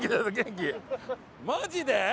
マジで？